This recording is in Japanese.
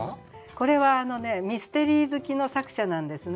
これはミステリー好きの作者なんですね。